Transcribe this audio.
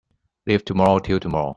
Leave tomorrow till tomorrow.